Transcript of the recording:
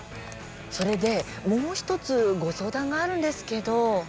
それでもう一つご相談があるんですけど